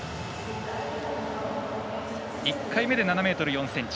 １回目で７ｍ４ｃｍ。